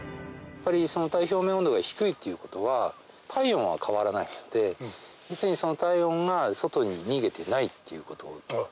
体表面温度が低いっていうことは体温は変わらないので要するにその体温が外に逃げてないっていうこと。